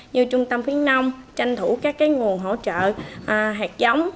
như trung tâm khuyến nông tranh thủ các nguồn hỗ trợ hạt giống